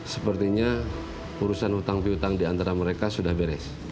sepertinya urusan utang piutang di antara mereka sudah beres